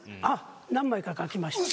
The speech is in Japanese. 何枚か書きました。